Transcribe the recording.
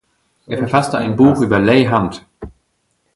Er verfasste ein Buch über „Leigh Hunt“.